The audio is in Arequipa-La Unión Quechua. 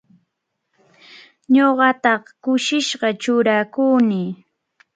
Ñuqataq kusisqa churakuni.